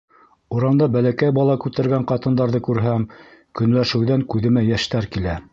Урамда бәләкәй бала күтәргән ҡатындарҙы күрһәм, көнләшеүҙән... күҙемә йәштәр килә.